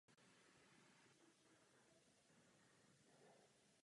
Rozhodli jsme se proto, že toto usnesení nepodpoříme.